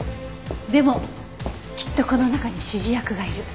でもきっとこの中に指示役がいる。